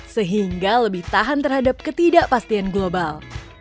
sehingga lebih tahan terhadap ketidakpastian global